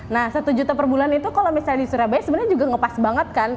nah satu juta per bulan itu kalau misalnya di surabaya sebenarnya juga ngepas banget kan